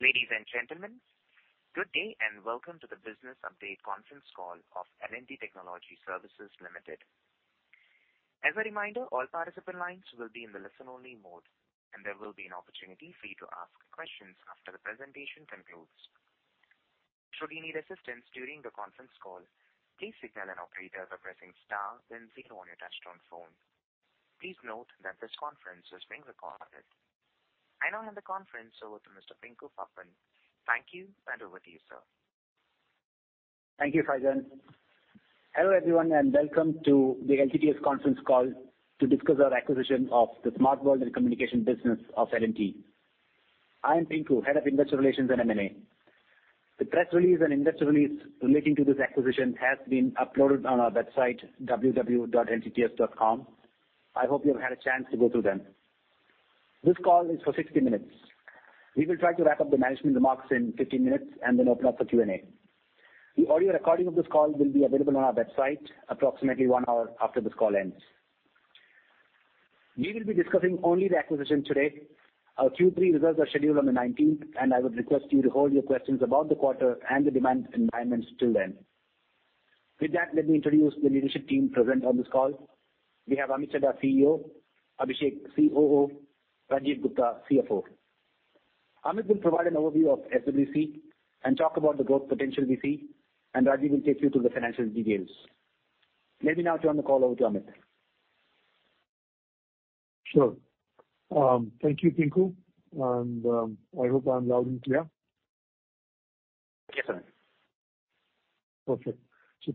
Ladies and gentlemen, good day and welcome to the business update conference call of L&T Technology Services Limited. As a reminder, all participant lines will be in the listen-only mode, and there will be an opportunity for you to ask questions after the presentation concludes. Should you need assistance during the conference call, please signal an operator by pressing star then zero on your touchtone phone. Please note that this conference is being recorded. I now hand the conference over to Mr. Pinku Popat. Thank you and over to you, sir. Thank you, Faizan. Welcome everyone, and welcome to the LTTS conference call to discuss our acquisition of the Smart World & Communication business of L&T. I am Pinku, Head of Investor Relations and M&A. The press release and investor release relating to this acquisition has been uploaded on our website, www.ltts.com. I hope you have had a chance to go through them. This call is for 60 minutes. We will try to wrap up the management remarks in 15 minutes and then open up for Q&A. The audio recording of this call will be available on our website approximately one hour after this call ends. We will be discussing only the acquisition today. Our Q3 results are scheduled on the 19th, I would request you to hold your questions about the quarter and the demand environments till then. With that, let me introduce the leadership team present on this call. We have Amit Chadha, CEO, Abhishek, COO, Rajeev Gupta, CFO. Amit will provide an overview of SWC and talk about the growth potential we see, Rajeev will take you to the financial details. Let me now turn the call over to Amit. Sure. thank you, Pinku, and I hope I'm loud and clear. Yes, sir. Perfect.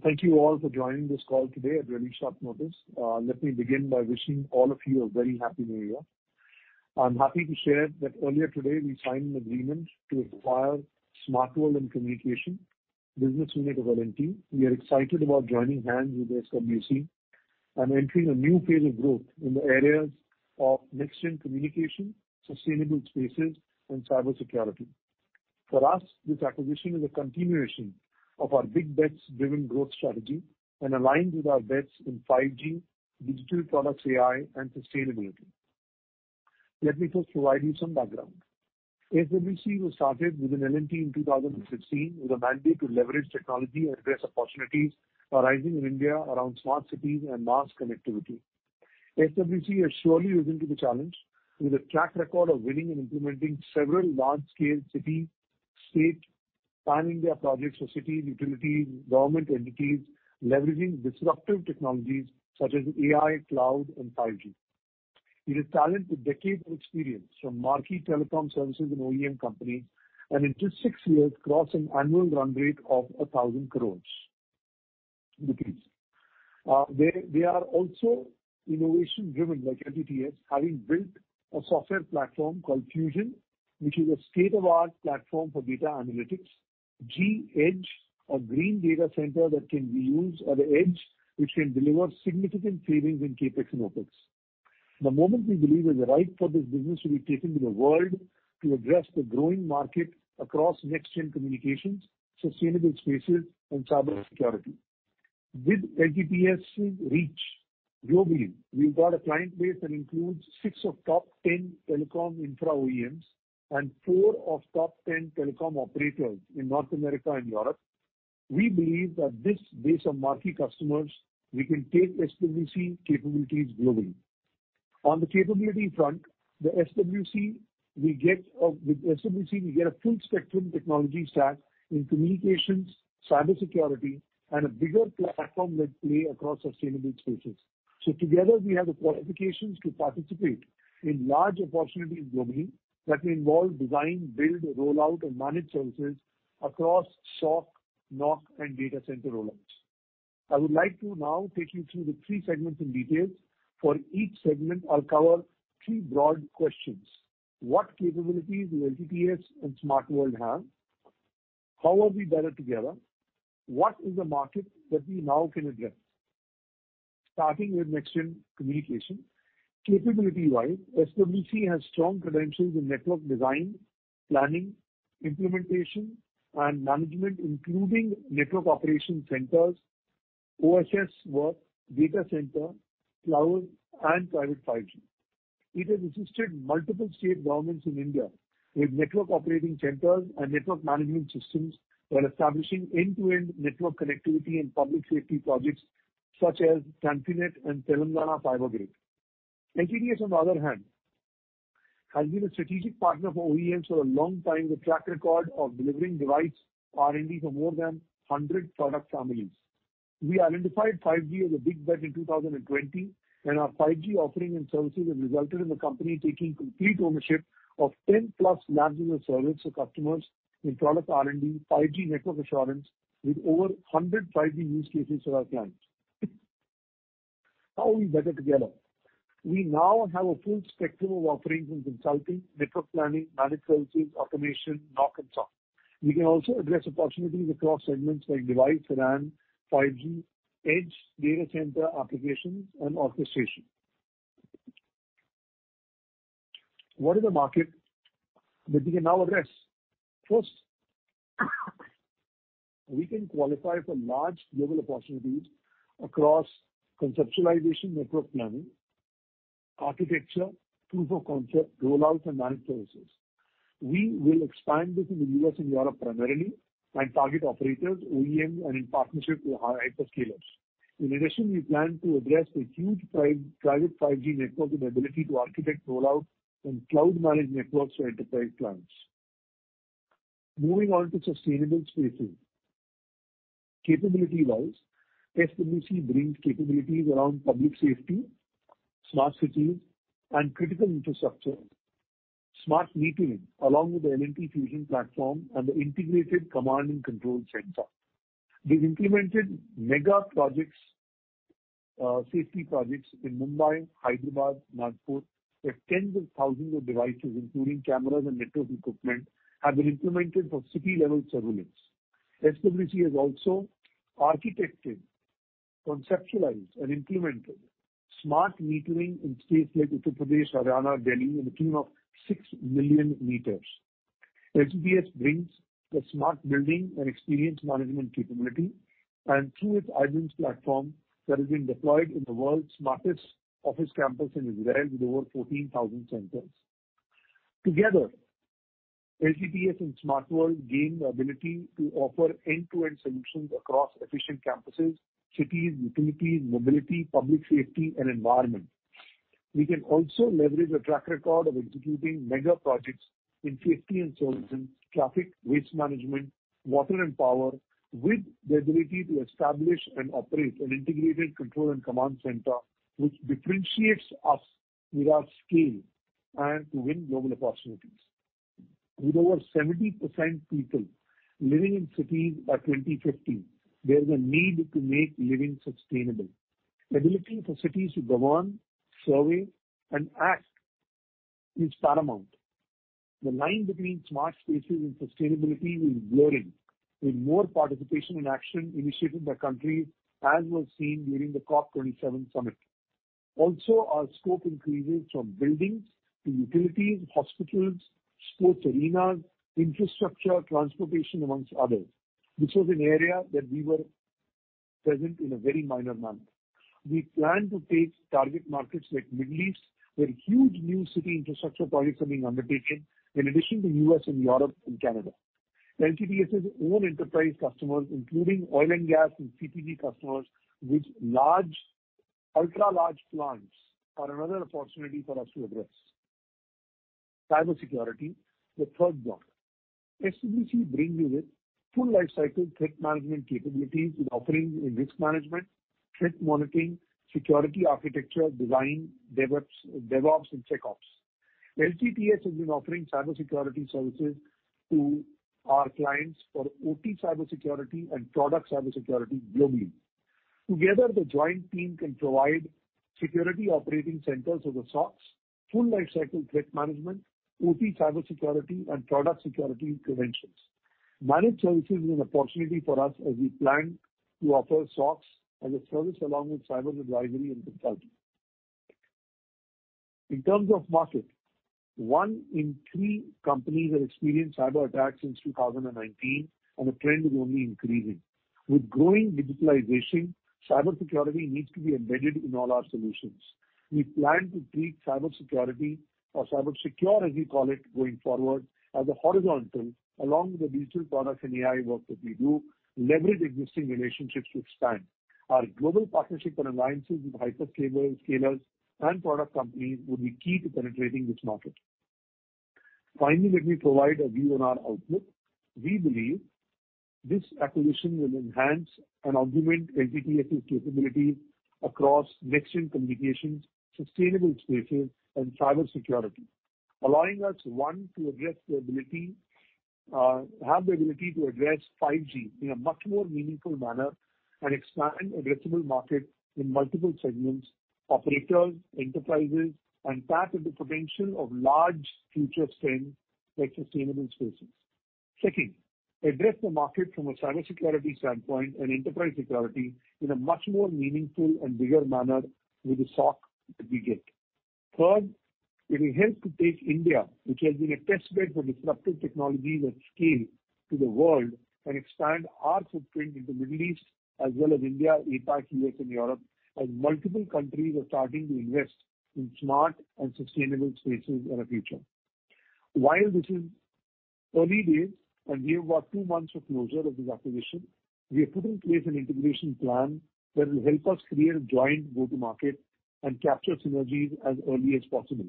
Thank you all for joining this call today at very short notice. Let me begin by wishing all of you a very happy new year. I'm happy to share that earlier today we signed an agreement to acquire Smart World & Communication business unit of L&T. We are excited about joining hands with SWC and entering a new phase of growth in the areas of next-gen communication, sustainable spaces, and cybersecurity. For us, this acquisition is a continuation of our big bets-driven growth strategy and aligns with our bets in 5G, digital products AI, and sustainability. Let me first provide you some background. SWC was started within L&T in 2016 with a mandate to leverage technology and address opportunities arising in India around smart cities and mass connectivity. SWC has surely risen to the challenge with a track record of winning and implementing several large-scale city, state, Pan-India projects for cities, utilities, government entities, leveraging disruptive technologies such as AI, cloud, and 5G. It is talent with decades of experience from marquee telecom services and OEM companies and in just 6 years crossed an annual run rate of 1,000 crores rupees. They are also innovation-driven like LTTS, having built a software platform called Fusion, which is a state-of-the-art platform for data analytics. G-Edge, a green data center that can be used at the edge, which can deliver significant savings in CapEx and OpEx. The moment we believe is right for this business to be taken to the world to address the growing market across next-gen communications, sustainable spaces, and cybersecurity. With LTTS' reach globally, we've got a client base that includes six of top 10 telecom infra OEMs and 4 of top 10 telecom operators in North America and Europe. We believe that this base of marquee customers, we can take SWC capabilities globally. On the capability front, with SWC, we get a full spectrum technology stack in communications, cybersecurity, and a bigger platform that play across sustainable spaces. Together, we have the qualifications to participate in large opportunities globally that may involve design, build, rollout, and managed services across SOC, NOC, and data center rollouts. I would like to now take you through the three segments in detail. For each segment, I'll cover three broad questions: What capabilities will LTTS and Smartworld have? How are we better together? What is the market that we now can address? Starting with next-gen communication. Capability-wise, SWC has strong credentials in network design, planning, implementation, and management, including network operation centers, OSS work, data center, cloud, and private 5G. It has assisted multiple state governments in India with network operating centers and network management systems while establishing end-to-end network connectivity and public safety projects such as T-Net and Telangana Fiber Grid. LTTS, on the other hand, has been a strategic partner for OEMs for a long time with a track record of delivering device R&D for more than 100 product families. Our 5G offering and services have resulted in the company taking complete ownership of 10-plus labs in the service for customers in product R&D, 5G network assurance with over 100 5G use cases for our clients. How are we better together? We now have a full spectrum of offerings in consulting, network planning, managed services, automation, NOC, and SOC. We can also address opportunities across segments like device, RAN, 5G, edge, data center, applications, and orchestration. What is the market that we can now address? We can qualify for large global opportunities across conceptualization, network planning, architecture, proof of concept, rollout, and managed services. We will expand this in the U.S. and Europe primarily and target operators, OEM, and in partnership with our hyperscalers. In addition, we plan to address the huge private 5G network with ability to architect rollout and cloud managed networks for enterprise clients. Moving on to sustainable spaces. Capability-wise, SWC brings capabilities around public safety, smart cities, and critical infrastructure. Smart metering, along with the L&T Fusion platform and the integrated command and control center. We've implemented mega projects, safety projects in Mumbai, Hyderabad, Nagpur, where tens of thousands of devices, including cameras and network equipment, have been implemented for city-level surveillance. SWC has also architected, conceptualized, and implemented smart metering in states like Uttar Pradesh, Haryana, Delhi, in tune of six million meters. LTTS brings the smart building and experience management capability, through its agents platform that is being deployed in the world's smartest office campus in Israel with over 14,000 sensors. Together, LTTS and SmartWorld gain the ability to offer end-to-end solutions across efficient campuses, cities, utilities, mobility, public safety, and environment. We can also leverage a track record of executing mega projects in safety and solutions, traffic, waste management, water and power, with the ability to establish and operate an integrated control and command center, which differentiates us with our scale and to win global opportunities. With over 70% people living in cities by 2050, there is a need to make living sustainable. The ability for cities to govern, survey, and act is paramount. The line between smart spaces and sustainability is blurring, with more participation and action initiated by countries, as was seen during the COP27 summit. Our scope increases from buildings to utilities, hospitals, sports arenas, infrastructure, transportation, amongst others. This was an area that we were present in a very minor manner. We plan to take target markets like Middle East, where huge new city infrastructure projects are being undertaken, in addition to U.S. and Europe and Canada. LTTS' own enterprise customers, including oil and gas and CPG customers with large, ultra large plants are another opportunity for us to address. Cybersecurity, the third block. SWC brings with it full lifecycle threat management capabilities with offerings in risk management, threat monitoring, security architecture, design, DevOps and SecOps. LTTS has been offering cybersecurity services to our clients for OT cybersecurity and product cybersecurity globally. Together, the joint team can provide security operating centers or the SOCs, full lifecycle threat management, OT cybersecurity, and product security preventions. Managed services is an opportunity for us as we plan to offer SOCs as a service along with cyber advisory and consulting. In terms of market, one in three companies have experienced cyberattacks since 2019. The trend is only increasing. With growing digitalization, cybersecurity needs to be embedded in all our solutions. We plan to treat cybersecurity or cybersecure, as we call it, going forward, as a horizontal along with the digital products and AI work that we do, leverage existing relationships to expand. Our global partnerships and alliances with hyperscalers, scalers, and product companies will be key to penetrating this market. Let me provide a view on our outlook. We believe this acquisition will enhance and augment LTTS' capabilities across next-gen communications, sustainable spaces, and cybersecurity, allowing us, one, to address the ability, have the ability to address 5G in a much more meaningful manner and expand addressable market in multiple segments, operators, enterprises, and tap into potential of large future trends like sustainable spaces. Address the market from a cybersecurity standpoint and enterprise security in a much more meaningful and bigger manner with the SOC that we get. Third, it will help to take India, which has been a testbed for disruptive technologies at scale, to the world and expand our footprint in the Middle East, as well as India, APAC, US, and Europe, as multiple countries are starting to invest in smart and sustainable spaces and future. While this is early days, and we have about two months of closure of this acquisition, we have put in place an integration plan that will help us create a joint go-to-market and capture synergies as early as possible.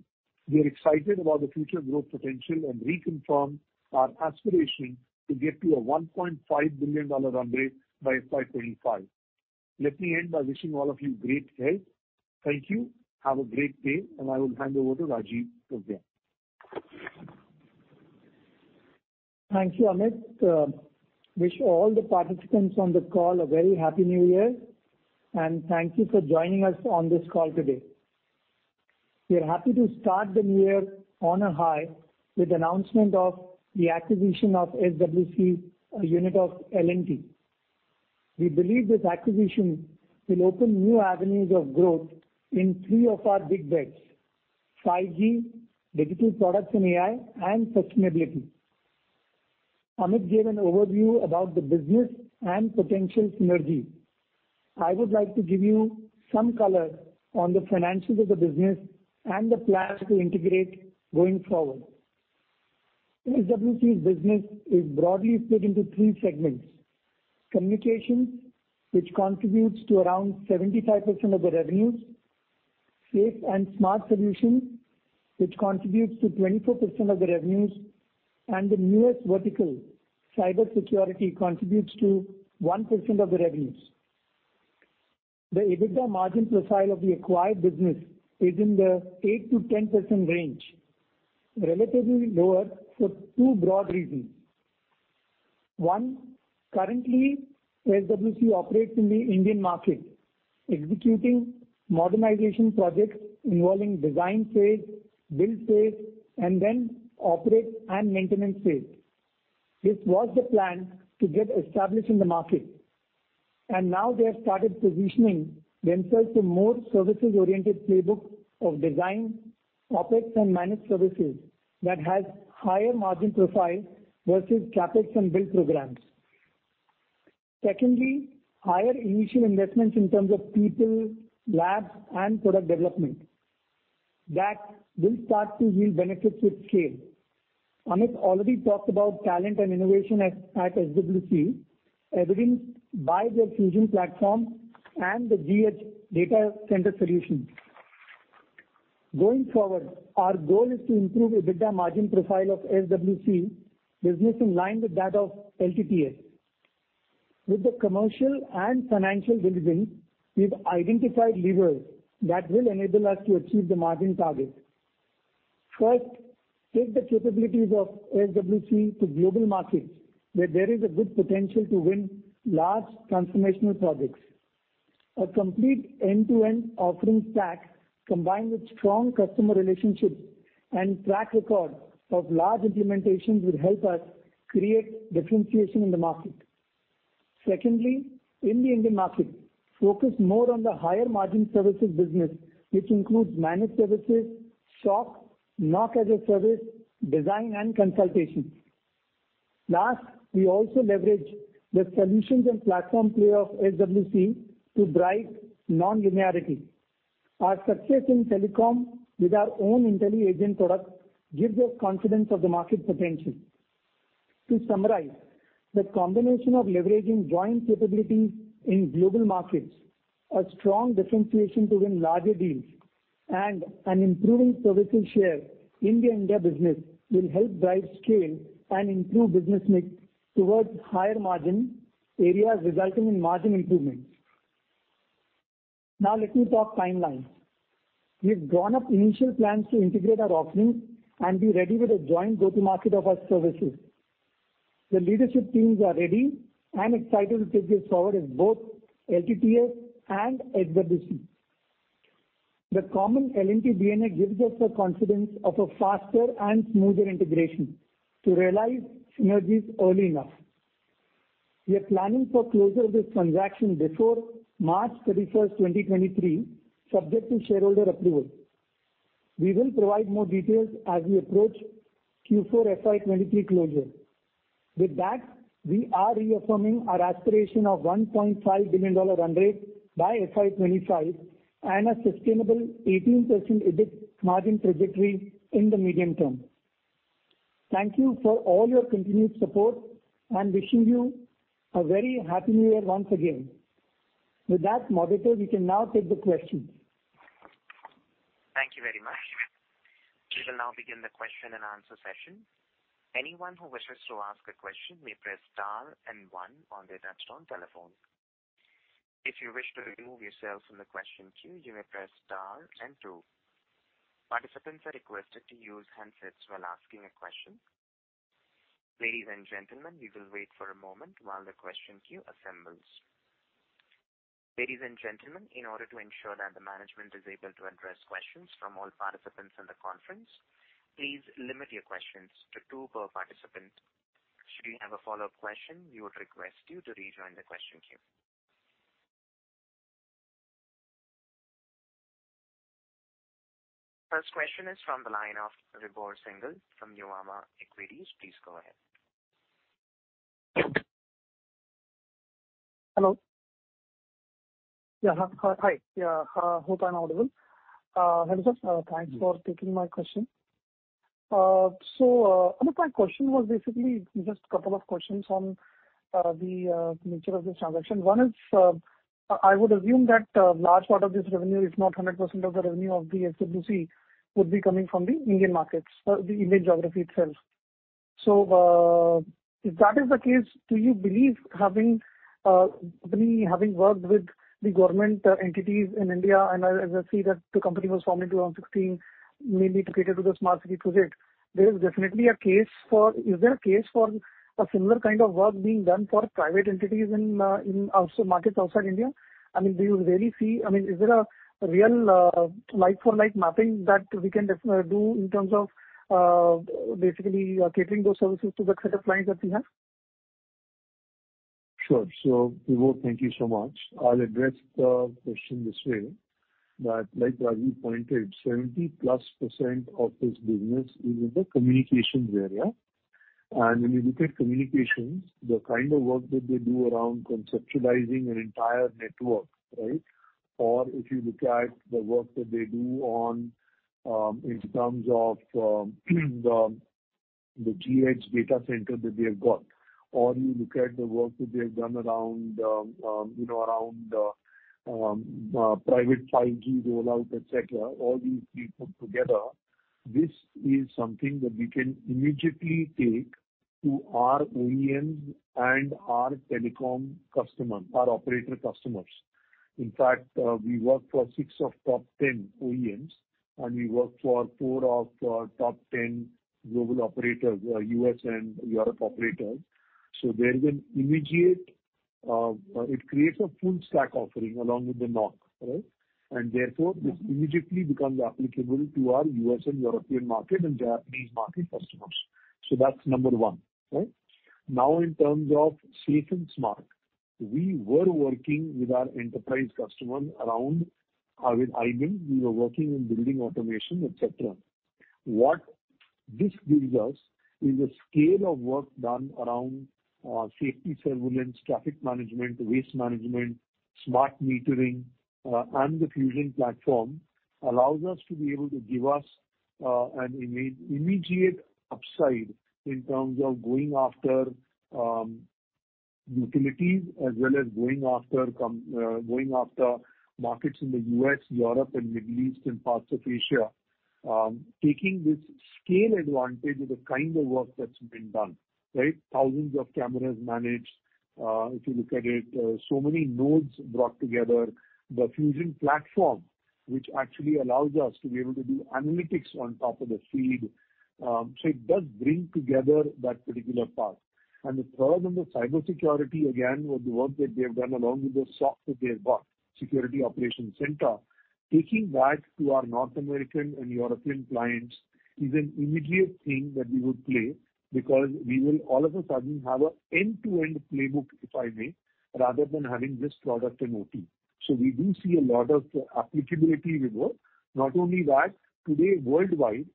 We are excited about the future growth potential and reconfirm our aspiration to get to a $1.5 billion run rate by FY25. Let me end by wishing all of you great health. Thank you. Have a great day. I will hand over to Rajiv for the end. Thank you, Amit. Wish all the participants on the call a very happy New Year. Thank you for joining us on this call today. We are happy to start the new year on a high with the announcement of the acquisition of SWC, a unit of L&T. We believe this acquisition will open new avenues of growth in three of our big bets: 5G, digital products and AI, and sustainability. Amit gave an overview about the business and potential synergy. I would like to give you some color on the financials of the business and the plans to integrate going forward. SWC's business is broadly split into three segments. Communications, which contributes to around 75% of the revenues. Safe and smart solutions, which contributes to 24% of the revenues. The newest vertical, cybersecurity, contributes to 1% of the revenues. The EBITDA margin profile of the acquired business is in the 8%-10% range, relatively lower for two broad reasons. One, currently SWC operates in the Indian market, executing modernization projects involving design phase, build phase, and then operate and maintenance phase. This was the plan to get established in the market. Now they have started positioning themselves to more services-oriented playbook of design, operate, and manage services that has higher margin profile versus CapEx and build programs. Secondly, higher initial investments in terms of people, labs, and product development that will start to yield benefits with scale. Amit already talked about talent and innovation at SWC, evidenced by their Fusion platform and the G-Edge data center solution. Going forward, our goal is to improve EBITDA margin profile of SWC business in line with that of LTTS. With the commercial and financial diligence, we've identified levers that will enable us to achieve the margin target. First, take the capabilities of SWC to global markets where there is a good potential to win large transformational projects. A complete end-to-end offering stack, combined with strong customer relationships and track record of large implementations, will help us create differentiation in the market. Secondly, in the Indian market, focus more on the higher margin services business, which includes managed services, SOC, NOC as a service, design and consultation. Last, we also leverage the solutions and platform play of SWC to drive nonlinearity. Our success in telecom with our own Intelli-Agent product gives us confidence of the market potential. To summarize, the combination of leveraging joint capabilities in global markets, a strong differentiation to win larger deals, and an improving services share in the India business will help drive scale and improve business mix towards higher margin areas, resulting in margin improvement. Let me talk timelines. We've drawn up initial plans to integrate our offerings and be ready with a joint go-to-market of our services. The leadership teams are ready and excited to take this forward as both LTTS and SWC. The common L&T DNA gives us the confidence of a faster and smoother integration to realize synergies early enough. We are planning for closure of this transaction before March 31, 2023, subject to shareholder approval. We will provide more details as we approach Q4 FY23 closure. With that, we are reaffirming our aspiration of a $1.5 billion run rate by FY25 and a sustainable 18% EBIT margin trajectory in the medium term. Thank you for all your continued support, and wishing you a very happy new year once again. With that, moderator, we can now take the questions. Thank you very much. We will now begin the question-and-answer session. Anyone who wishes to ask a question may press star one on their touchtone telephone. If you wish to remove yourself from the question queue, you may press star two. Participants are requested to use handsets while asking a question. Ladies and gentlemen, we will wait for a moment while the question queue assembles. Ladies and gentlemen, in order to ensure that the management is able to address questions from all participants on the conference, please limit your questions to two per participant. Should you have a follow-up question, we would request you to rejoin the question queue. First question is from the line of Vibhor Singhal from Nuvama Institutional Equities. Please go ahead. Hello. Hi. Hope I'm audible. Thanks for taking my question. Amit, my question was basically just couple of questions on the nature of this transaction. One is, I would assume that a large part of this revenue, if not 100% of the revenue of the SWC, would be coming from the Indian markets, the Indian geography itself. If that is the case, do you believe having company having worked with the government entities in India, and as I see that the company was formed in 2016, maybe to cater to the smart city project, Is there a case for a similar kind of work being done for private entities in markets outside India? Do you really see I mean, is there a real, like for like mapping that we can do in terms of, basically, catering those services to that set of clients that we have? Sure. Vibhor, thank you so much. I'll address the question this way, that like Raju pointed, 70%+ of this business is in the communications area. When you look at communications, the kind of work that they do around conceptualizing an entire network, right? Or if you look at the work that they do on in terms of the GH data center that they have got, or you look at the work that they have done around, you know, around private 5G rollout, et cetera, all these three put together, this is something that we can immediately take to our OEMs and our telecom customers, our operator customers. In fact, we work for six of top 10 OEMs, and we work for four of top 10 global operators, US and Europe operators. There is an immediate, it creates a full stack offering along with the NOC, right? Therefore, this immediately becomes applicable to our U.S. and European market and Japanese market customers. That's number one, right? Now, in terms of Safe and Smart, we were working with our enterprise customers around with IBM, we were working in building automation, et cetera. What this gives us is a scale of work done around safety surveillance, traffic management, waste management, smart metering, and the Fusion platform allows us to be able to give us an immediate upside in terms of going after utilities as well as going after markets in the U.S., Europe and Middle East and parts of Asia. Taking this scale advantage of the kind of work that's been done, right? Thousands of cameras managed, if you look at it, so many nodes brought together. The Fusion platform, which actually allows us to be able to do analytics on top of the feed. It does bring together that particular part. The third, on the cybersecurity, again, with the work that they have done along with the SOC that they have got, Security Operations Center, taking that to our North American and European clients is an immediate thing that we would play because we will all of a sudden have a end-to-end playbook, if I may, rather than having just product and OT. We do see a lot of applicability with work. Not only that, today, worldwide,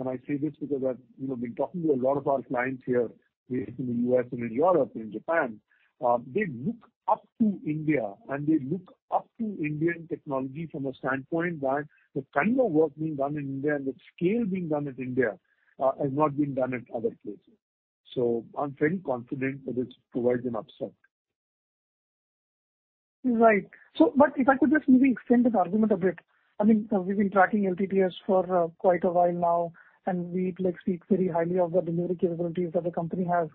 I say this because I've, you know, been talking to a lot of our clients here based in the U.S. and in Europe and in Japan, they look up to India and they look up to Indian technology from a standpoint that the kind of work being done in India and the scale being done in India, has not been done in other places. I'm very confident that this provides an upsell. Right. If I could just maybe extend this argument a bit. I mean, we've been tracking LTTS for quite a while now, and we, like, speak very highly of the delivery capabilities that the company has.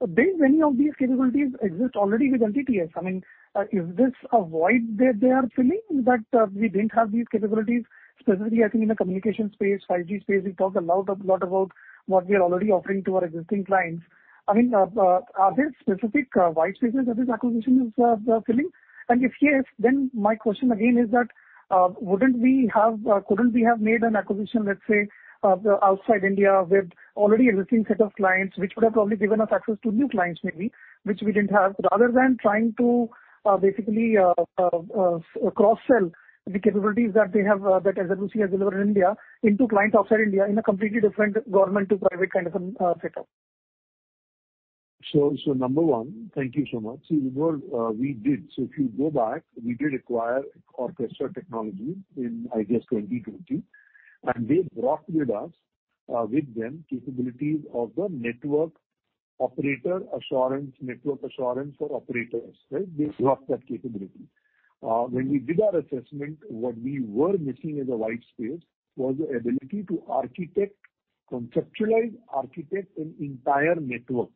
Did many of these capabilities exist already with LTTS? I mean, is this a void they are filling that we didn't have these capabilities? Specifically, I think in the communication space, 5G space, we talked a lot about what we are already offering to our existing clients. I mean, are there specific white spaces that this acquisition is filling? If yes, my question again is that, couldn't we have made an acquisition, let's say, outside India with already existing set of clients, which would have probably given us access to new clients maybe, which we didn't have, rather than trying to, basically, cross-sell the capabilities that they have, that SWC has delivered in India into clients outside India in a completely different government to private kind of setup. Number one, thank you so much. Vibohr, we did. If you go back, we did acquire Orchestra Technology in, I guess, 2020. They brought with us, with them capabilities of the network operator assurance, network assurance for operators, right? They brought that capability. When we did our assessment, what we were missing as a white space was the ability to architect, conceptualize, architect an entire network.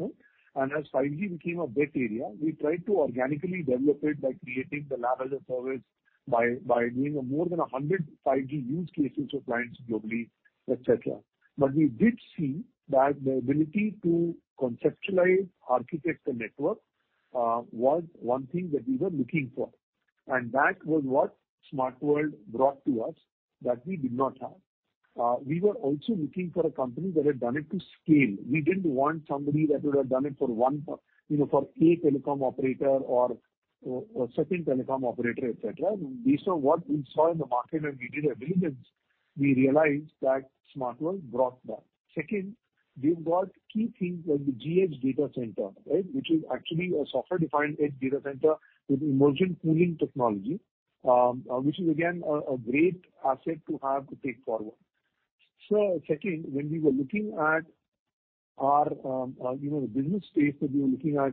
As 5G became a bet area, we tried to organically develop it by creating the lab as a service, by doing more than 100 5G use cases for clients globally, et cetera. We did see that the ability to conceptualize, architect the network, was one thing that we were looking for. That was what Smart World brought to us that we did not have. We were also looking for a company that had done it to scale. We didn't want somebody that would have done it for you know, for a telecom operator or certain telecom operator, et cetera. Based on what we saw in the market when we did our diligence, we realized that Smart World brought that. Second, they've got key things like the GH data center, right? Which is actually a software-defined edge data center with immersion cooling technology, which is again a great asset to have to take forward. Second, when we were looking at our, you know, the business space that we were looking at,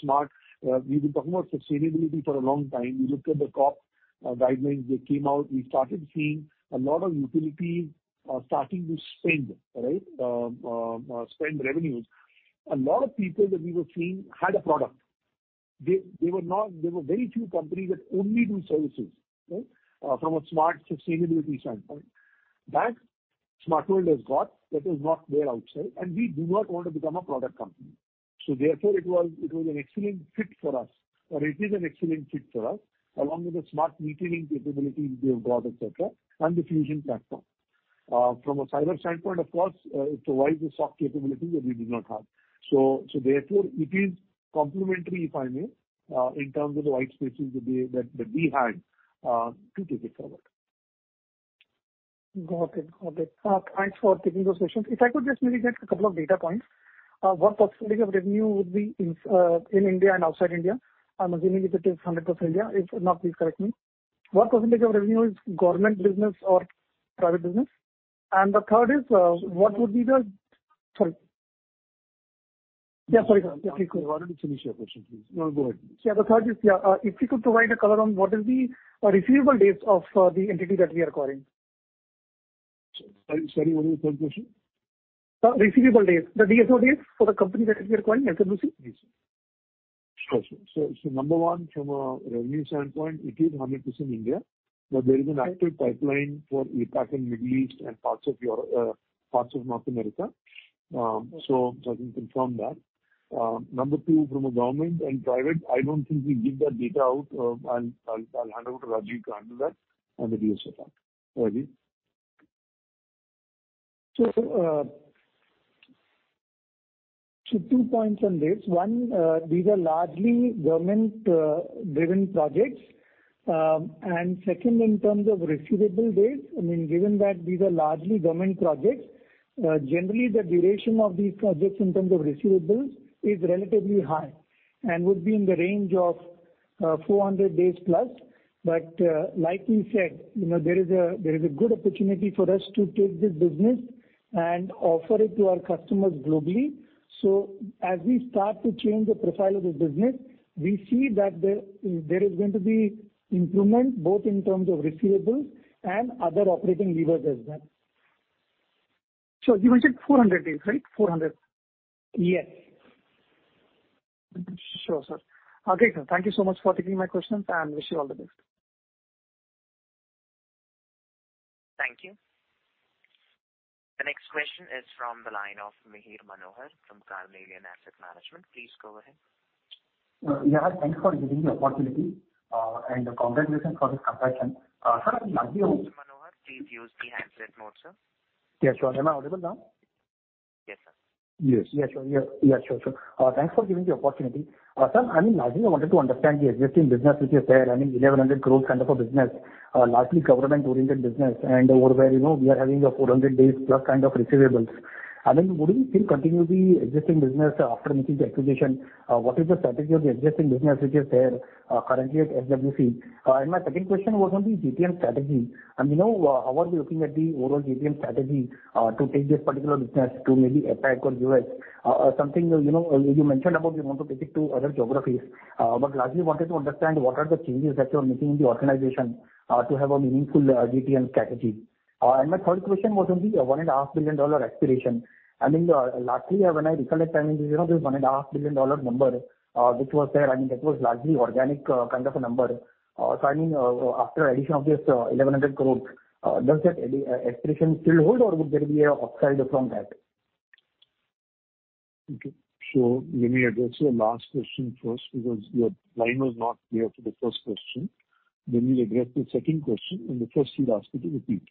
smart, we've been talking about sustainability for a long time. We looked at the COP guidelines that came out. We started seeing a lot of utilities starting to spend, right, spend revenues. A lot of people that we were seeing had a product. There were very few companies that only do services, right? From a smart sustainability standpoint. That Smart World has got. That is not there outside. We do not want to become a product company. Therefore, it was an excellent fit for us, or it is an excellent fit for us, along with the smart metering capabilities they have got, et cetera, and the Fusion platform. From a cyber standpoint, of course, it provides the SOC capabilities that we did not have. Therefore it is complementary, if I may, in terms of the white spaces that we had to take it forward. Got it. Got it. Thanks for taking those questions. If I could just maybe get a couple of data points. What % of revenue would be in India and outside India? I'm assuming it is 100% India. If not, please correct me. What % of revenue is government business or private business? The third is, what would be the Sorry. Yeah, sorry. Please go on. Why don't you finish your question, please? No, go ahead. The third is, yeah, if you could provide a color on what is the receivable days of the entity that we are acquiring. Sorry, what was the third question? receivable days. The DSO days for the company that we are acquiring, SWC. Sure, sure. Number one, from a revenue standpoint, it is 100% India. There is an active pipeline for APAC and Middle East and parts of Euro-- parts of North America. I can confirm that. Number two, from a government and private, I don't think we give that data out. I'll hand over to Rajiv to handle that and the DSO part. Rajiv. Two points on this. One, these are largely government driven projects. Second, in terms of receivable days, I mean, given that these are largely government projects, generally the duration of these projects in terms of receivables is relatively high and would be in the range of 400 days plus. Like we said, you know, there is a good opportunity for us to take this business and offer it to our customers globally. As we start to change the profile of the business, we see that there is going to be improvement both in terms of receivables and other operating levers as well. Sure. You said 400 days, right? 400. Yes. Sure, sir. Okay. Thank you so much for taking my questions, wish you all the best. Thank you. The next question is from the line of Mihir Manohar from Carnelian Asset Management. Please go ahead. Yeah. Thanks for giving the opportunity, and congratulations for this acquisition. Sir, Mihir Manohar, please use the handset mode, sir. Yeah, sure. Am I audible now? Yes, sir. Yes. Yeah, sure. Yeah. Yeah, sure. Sure. Thanks for giving the opportunity. Sir, I mean, largely I wanted to understand the existing business which is there, I mean, 1,100 crores kind of a business, largely government-oriented business and over where, you know, we are having a 400 days plus kind of receivables. I mean, would you still continue the existing business after making the acquisition? What is the strategy of the existing business which is there, currently at SWC? My second question was on the GTM strategy. I mean, you know, how are you looking at the overall GTM strategy, to take this particular business to maybe APAC or US? Something, you know, you mentioned about you want to take it to other geographies. Largely wanted to understand what are the changes that you are making in the organization to have a meaningful GTM strategy. My third question was on the one and a half billion dollar aspiration. I mean, lastly, when I recollect, I mean, you know, this one and a half billion dollar number which was there, I mean, that was largely organic kind of a number. I mean, after addition of this 1,100 crores INR, does that aspiration still hold or would there be a upside from that? Let me address your last question first because your line was not clear for the first question. We'll address the second question. The first, he'd ask you to repeat.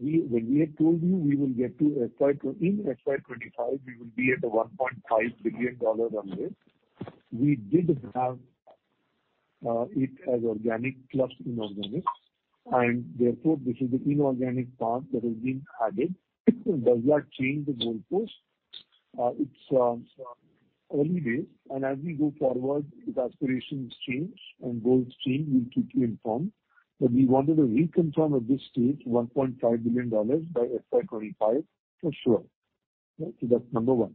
We, when we had told you we will get to in FY25 we will be at a $1.5 billion run rate. We did have it as organic plus inorganic, and therefore this is the inorganic part that has been added. Does that change the goalpost? It's early days, and as we go forward, if aspirations change and goals change, we'll keep you informed. We wanted to reconfirm at this stage $1.5 billion by FY25 for sure. That's number one.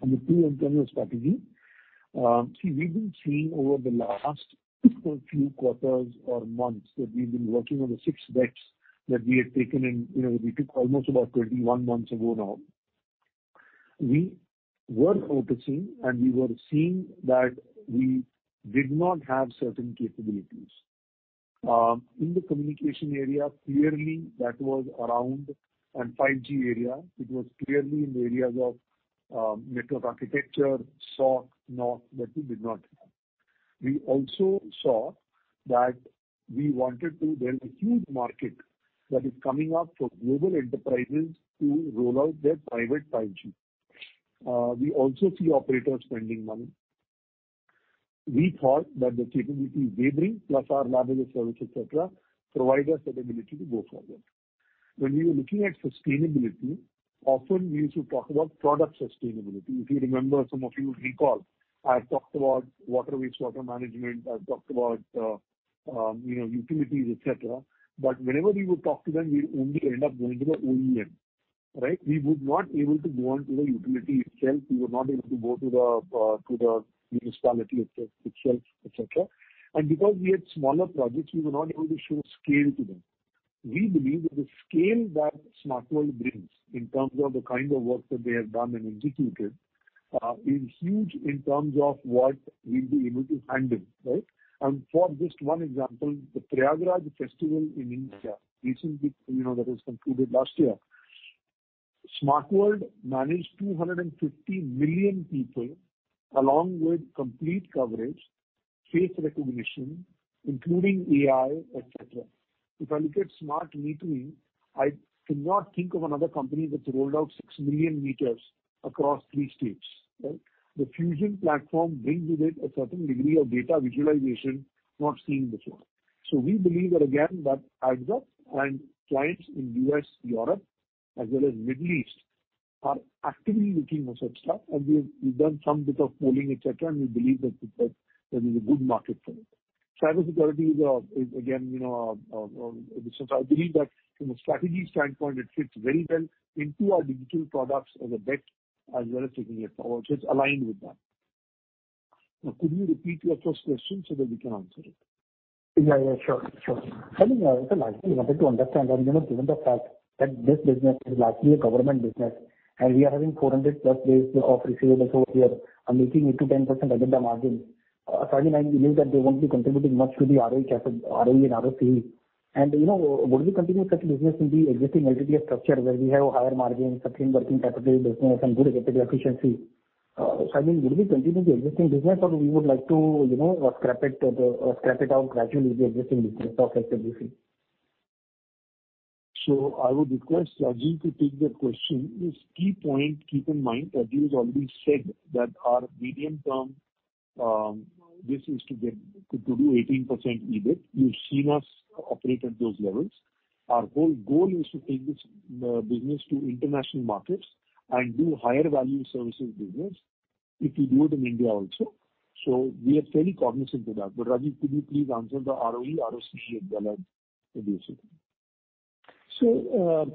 Number two, in terms of strategy. See, we've been seeing over the last few quarters or months that we've been working on the 6 bets that we had taken in, you know, we took almost about 21 months ago now. We were focusing and we were seeing that we did not have certain capabilities. In the communication area, clearly that was around, and 5G area, it was clearly in the areas of network architecture, SOC, NOC that we did not have. We also saw that we wanted to. There's a huge market that is coming up for global enterprises to roll out their private 5G. We also see operators spending money. We thought that the capability they bring plus our larger service, et cetera, provide us that ability to go further. When we were looking at sustainability, often we used to talk about product sustainability. If you remember, some of you recall, I've talked about water waste, water management, I've talked about, you know, utilities, et cetera. Whenever we would talk to them, we only end up going to the OEM, right? We would not able to go on to the utility itself. We were not able to go to the municipality itself, et cetera. Because we had smaller projects, we were not able to show scale to them. We believe that the scale that SmartWorld brings in terms of the kind of work that they have done and executed, is huge in terms of what we'll be able to handle, right? For just one example, the Prayagraj Festival in India recently, you know, that was concluded last year. SmartWorld managed 250 million people along with complete coverage, face recognition, including AI, et cetera. If I look at Smart Meeting, I cannot think of another company that's rolled out 6 million meters across 3 states, right? The Fusion platform brings with it a certain degree of data visualization not seen before. We believe that, again, that Azure and clients in U.S., Europe, as well as Middle East, are actively looking at such stuff. We've done some bit of polling, et cetera, and we believe that there is a good market for it. Cybersecurity is again, you know, I believe that from a strategy standpoint, it fits very well into our digital products as a bet as well as taking it forward. It's aligned with that. Now, could you repeat your first question so that we can answer it? Yeah, yeah, sure. I mean, it's a large deal we wanted to understand. You know, given the fact that this business is largely a government business, and we are having 400+ days of receivables over here, and making 8%-10% EBITDA margin, certainly, I believe that they won't be contributing much to the ROE and ROCE. You know, would we continue such business in the existing L&T structure where we have higher margins, sustainable working capital business and good capital efficiency? I mean, would we continue the existing business or we would like to, you know, scrap it out gradually, the existing business of S&T? I would request Rajiv to take that question. His key point, keep in mind, Rajiv has already said that our medium term, this is to do 18% EBIT. You've seen us operate at those levels. Our whole goal is to take this business to international markets and do higher value services business if we do it in India also. We are fairly cognizant of that. Rajiv, could you please answer the ROE, ROCE as well as the basic?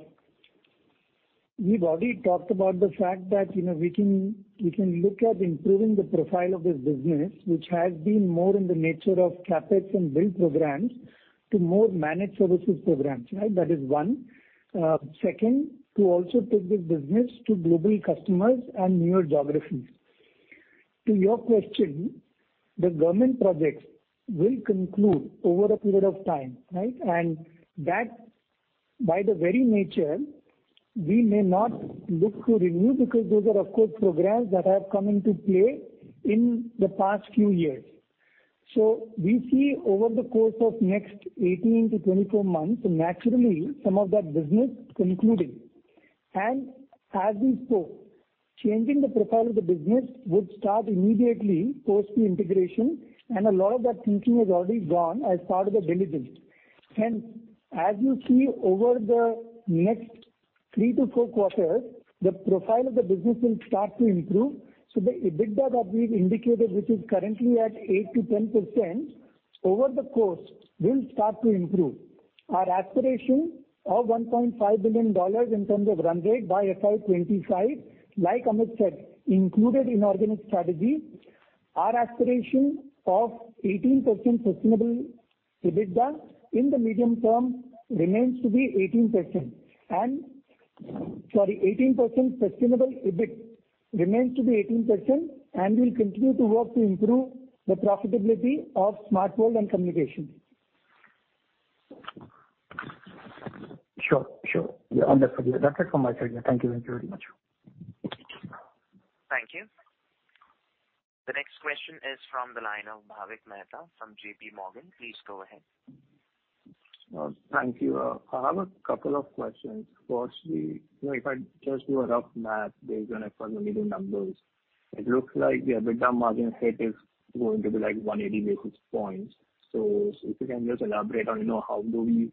We've already talked about the fact that, you know, we can, we can look at improving the profile of this business, which has been more in the nature of CapEx and build programs to more managed services programs, right? That is one. Second, to also take this business to global customers and newer geographies. To your question, the government projects will conclude over a period of time, right? That, by the very nature, we may not look to renew because those are, of course, programs that have come into play in the past few years. We see over the course of next 18-24 months, naturally, some of that business concluding. As we spoke, changing the profile of the business would start immediately post the integration, and a lot of that thinking has already gone as part of the due diligence. Hence, as you see over the next three to four quarters, the profile of the business will start to improve. The EBITDA that we've indicated, which is currently at 8%-10% over the course, will start to improve. Our aspiration of $1.5 billion in terms of run rate by FY25, like Amit said, included in organic strategy. Our aspiration of 18% sustainable EBITDA in the medium term remains to be 18%. Sorry, 18% sustainable EBIT remains to be 18%, and we'll continue to work to improve the profitability of Smart World & Communication. Sure, sure. Yeah, understood. That's it from my side. Yeah. Thank you. Thank you very much. Thank you. The next question is from the line of Bhavik Mehta from JPMorgan. Please go ahead. Thank you. I have a couple of questions. Firstly, you know, if I just do a rough math based on FY22 numbers, it looks like the EBITDA margin hit is going to be, like, 180 basis points. If you can just elaborate on, you know, how do we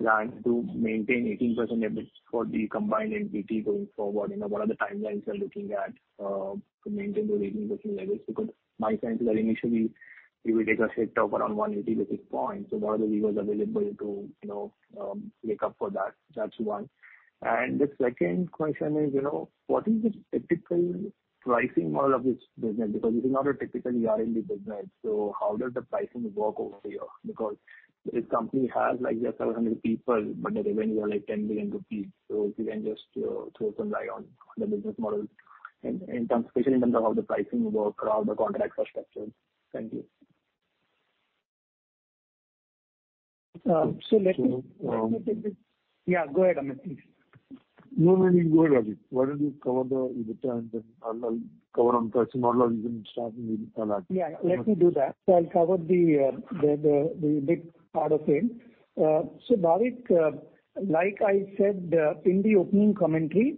plan to maintain 18% EBIT for the combined L&T going forward? You know, what are the timelines you're looking at to maintain the 18% EBIT? Because my sense is that initially we will take a hit of around 180 basis points. What are the levers available to, you know, make up for that? That's one. The second question is, you know, what is the typical pricing model of this business? Because this is not a typical ER&D business. How does the pricing work over here? This company has, like, they have 700 people, but the revenue are, like, 10 billion rupees. If you can just throw some light on the business model in terms, especially in terms of how the pricing work or how the contracts are structured. Thank you. let me- So, um- Let me take it. Go ahead, Amit, please. No, no, you go ahead, Rajiv. Why don't you cover the EBITDA, and then I'll cover on pricing model as you can start and we will follow up. Let me do that. I'll cover the bit part of it. Bhavik, like I said, in the opening commentary,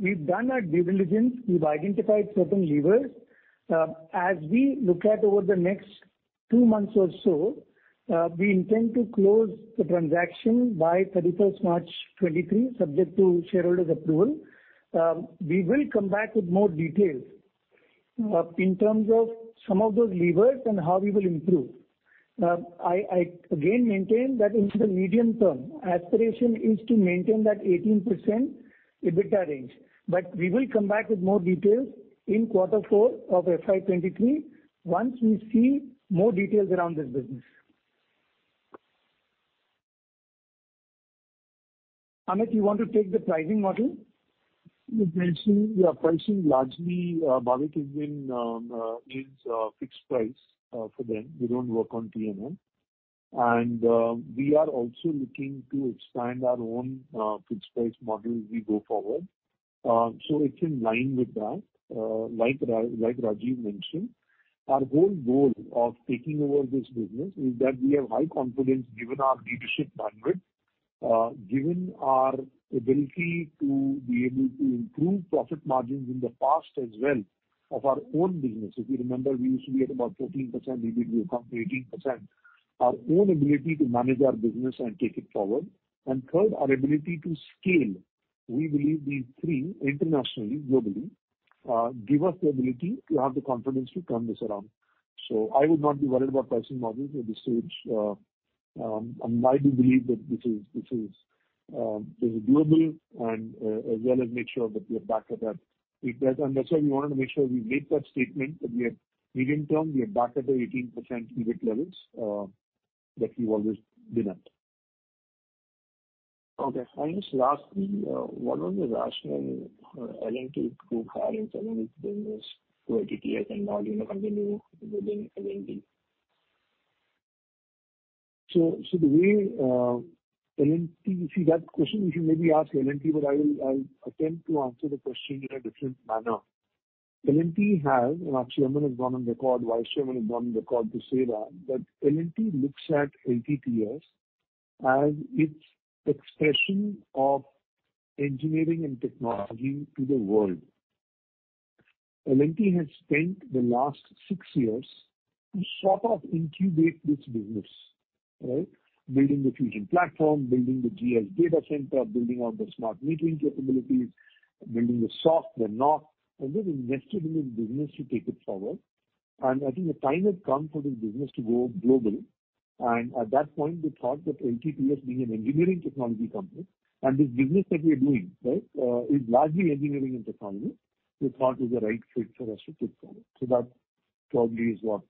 we've done our due diligence. We've identified certain levers. As we look at over the next two months or so, we intend to close the transaction by 31st March 2023, subject to shareholders' approval. We will come back with more details in terms of some of those levers and how we will improve. I again maintain that into the medium term, aspiration is to maintain that 18% EBITDA range. We will come back with more details in quarter four of FY23 once we see more details around this business. Amit, you want to take the pricing model? The pricing, yeah, pricing largely, Bhavik, is in, is fixed price for them. We don't work on TMM. We are also looking to expand our own fixed price model as we go forward. It's in line with that. Like Rajiv mentioned, our whole goal of taking over this business is that we have high confidence, given our leadership bandwidth, given our ability to be able to improve profit margins in the past as well of our own business. If you remember, we used to be at about 14%, we did recover to 18%. Our own ability to manage our business and take it forward, and third, our ability to scale. We believe these three internationally, globally, give us the ability to have the confidence to turn this around. I would not be worried about pricing models at this stage. I do believe that this is doable, and as well as make sure that we are back at that. That's why we wanted to make sure we made that statement, that we are medium-term, we are back at the 18% EBIT levels that we've always been at. Okay. Just lastly, what was the rationale for L&T to go ahead and sell this business to LTTS and not, you know, continue within L&T? The way L&T. That question you should maybe ask L&T, but I'll attempt to answer the question in a different manner. L&T has, our chairman has gone on record, vice chairman has gone on record to say that L&T looks at LTTS as its expression of engineering and technology to the world. L&T has spent the last 6 years to sort of incubate this business, right? Building the Fusion platform, building the GS data center, building out the smart metering capabilities, building the NOC, and this invested in this business to take it forward. I think the time has come for this business to go global. At that point, we thought that LTTS being an engineering technology company and this business that we are doing, right, is largely engineering and technology, we thought it was the right fit for us to take forward. That probably is what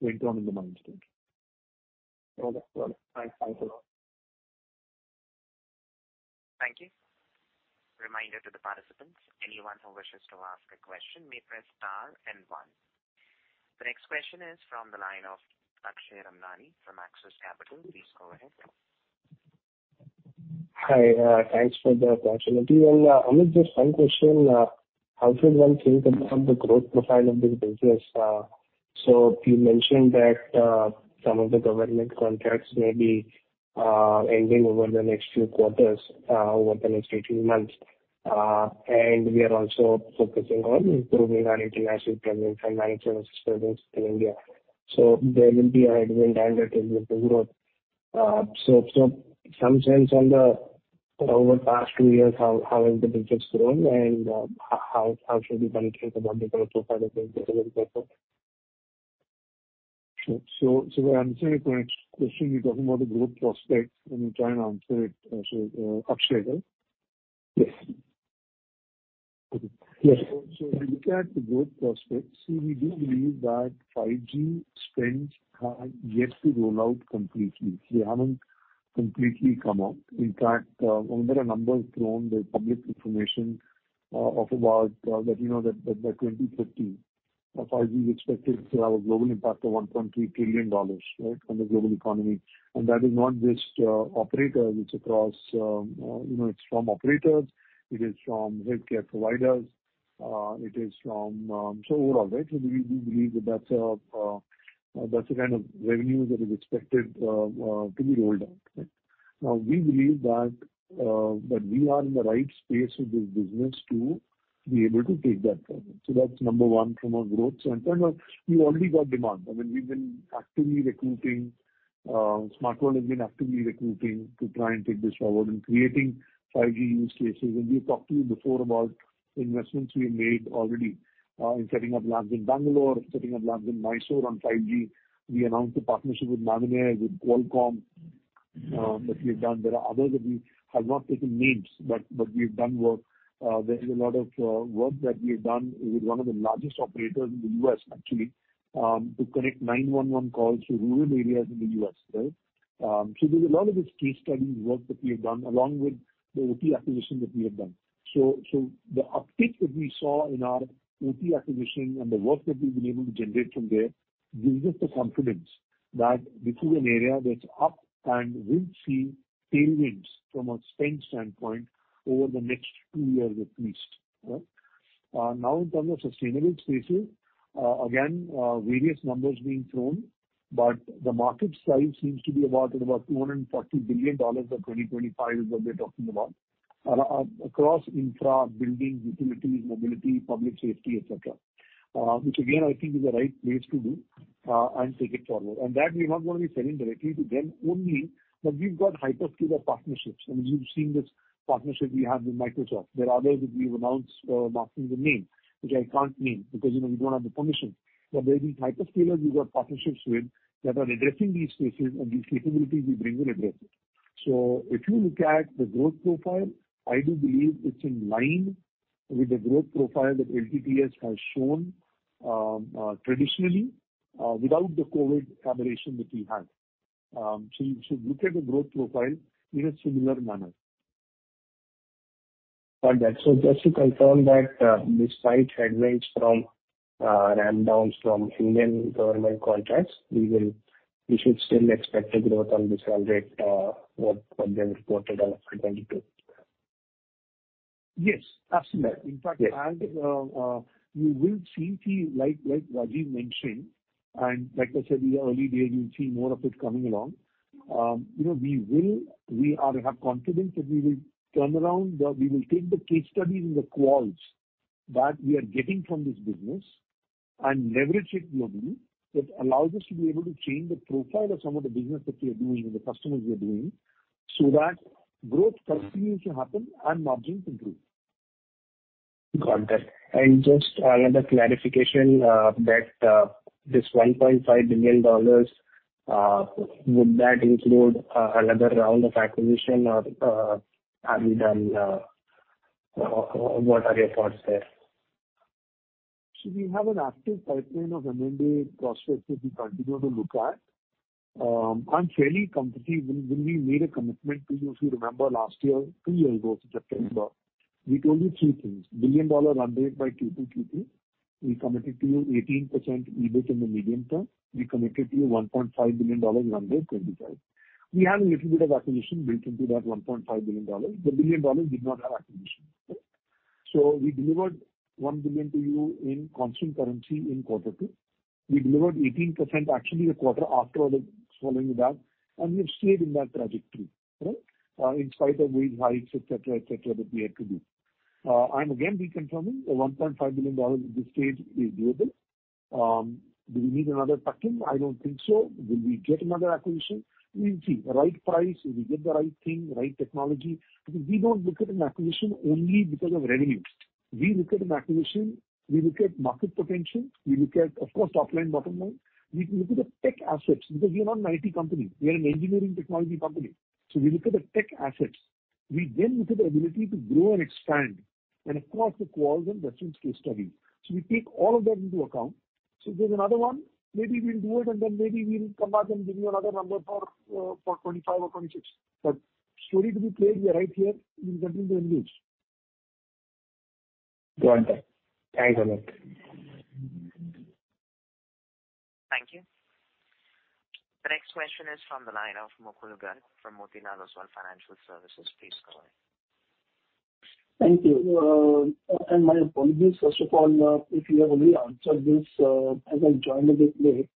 went on in the minds then. Got it. Got it. Thanks. Thanks a lot. Thank you. Reminder to the participants, anyone who wishes to ask a question may press star and one. The next question is from the line of Akshay Ramnani from Axis Capital. Please go ahead. Hi, thanks for the opportunity. Amit, just one question. How should one think about the growth profile of this business? You mentioned that some of the government contracts may be ending over the next few quarters, over the next 18 months. We are also focusing on improving our international presence and managing this presence in India. There will be a headwind and there will be growth. Some sense on the, over the past two years, how has the business grown and how should we think about the growth profile of this business going forward? Sure. I understand your question. You're talking about the growth prospects. Let me try and answer it. Akshay, right? Yes. Okay. Yes. If you look at the growth prospects, see, we do believe that 5G spends have yet to roll out completely. They haven't completely come out. In fact, there are numbers thrown, there's public information of about that, you know, that by 2050, 5G is expected to have a global impact of $1.3 trillion, right, on the global economy. That is not just operators. It's across, you know, it's from operators, it is from healthcare providers, it is from, so overall, right? We believe that that's a, that's the kind of revenue that is expected to be rolled out. Right? Now, we believe that we are in the right space with this business to be able to take that forward. That's number one from a growth standpoint. We already got demand. I mean, we've been actively recruiting. SmartWorld has been actively recruiting to try and take this forward and creating 5G use cases. We've talked to you before about investments we have made already in setting up labs in Bangalore, setting up labs in Mysore on 5G. We announced a partnership with Mavenir, with Qualcomm that we have done. There are others that we have not taken names, but we've done work. There is a lot of work that we have done with one of the largest operators in the US actually, to connect 911 calls to rural areas in the US, right? There's a lot of this case study work that we have done along with the OT acquisition that we have done. The uptick that we saw in our OT acquisition and the work that we've been able to generate from there gives us the confidence that this is an area that's up and will see tailwinds from a spend standpoint over the next two years at least. Right? In terms of sustainable spaces, again, various numbers being thrown, but the market size seems to be about $240 billion by 2025 is what we're talking about. Across infra, buildings, utilities, mobility, public safety, et cetera. Which again, I think is the right place to do and take it forward. That we're not gonna be selling directly to them only, but we've got hyperscaler partnerships. I mean, you've seen this partnership we have with Microsoft. There are others that we've announced, not given the name, which I can't name because, you know, we don't have the permission. There are these hyperscalers we've got partnerships with that are addressing these spaces and these capabilities we bring will address it. If you look at the growth profile, I do believe it's in line with the growth profile that LTTS has shown, traditionally, without the COVID aberration that we had. You should look at the growth profile in a similar manner. Got that. Just to confirm that, despite headwinds from ramp downs from Indian government contracts, we should still expect a growth on this run rate, what they reported on 2022. Yes, absolutely. Yes. In fact, as you will see like Rajeev mentioned, and like I said in the early days, you'll see more of it coming along. You know, We are, have confidence that we will turn around, that we will take the case studies and the quals that we are getting from this business and leverage it globally. That allows us to be able to change the profile of some of the business that we are doing and the customers we are doing, so that growth continues to happen and margin improve. Got that. Just another clarification, that, this $1.5 billion, would that include another round of acquisition or are we done, what are your thoughts there? We have an active pipeline of M&A prospects that we continue to look at. I'm fairly confident we, when we made a commitment to you, if you remember last year, two years ago, September, we told you three things. $1 billion run rate by 2022. We committed to you 18% EBIT in the medium term. We committed to you $1.5 billion run rate FY25. We had a little bit of acquisition built into that $1.5 billion. The $1 billion did not have acquisition. We delivered $1 billion to you in constant currency in Q2. We delivered 18% actually the quarter after all the following that, and we've stayed in that trajectory, right? In spite of wage hikes, et cetera, et cetera, that we had to do. I'm again reconfirming the $1.5 billion at this stage is doable. Do we need another tuck-in? I don't think so. Will we get another acquisition? We'll see. The right price, if we get the right thing, right technology. We don't look at an acquisition only because of revenues. We look at an acquisition, we look at market potential, we look at, of course, top line, bottom line. We look at the tech assets because we are not an IT company. We are an engineering technology company. We look at the tech assets. We look at the ability to grow and expand and across the quals and reference case studies. We take all of that into account. If there's another one, maybe we'll do it and then maybe we'll come back and give you another number for 2025 or 2026. Story to be clear, we are right here. We continue to engage. Got that. Thanks a lot. Thank you. The next question is from the line of Mukul Garg from Motilal Oswal Financial Services. Please go ahead. Thank you. My apologies, first of all, if you have already answered this, as I joined a bit late.